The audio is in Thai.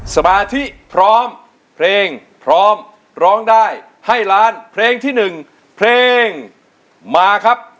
สมาธิพร้อมเพลงพร้อมร้องได้ให้ล้านเพลงที่๑เพลงมาครับ